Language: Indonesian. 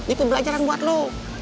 itu pelajaran buat lo